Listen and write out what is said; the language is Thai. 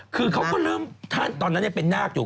คือเขาก็เริ่มท่านตอนนั้นเนี่ยเป็นหน้ากอยู่